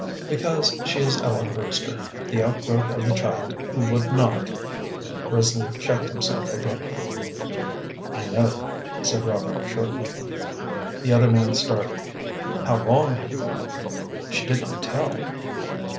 "Because she is Ellen Brewster, the outgrowth of the child who would not " Risley checked himself abruptly. "I know," said Robert, shortly. The other man started. "How long have you known she did not tell?"